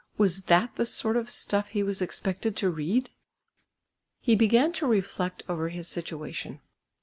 Was that the sort of stuff he was expected to read? He began to reflect over his situation.